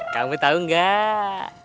kamu tau gak